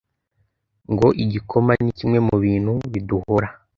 ngo igikoma ni kimwe mubintu biduhora